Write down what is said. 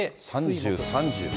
３０、３０。